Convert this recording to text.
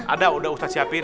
ada udah ustadz siapin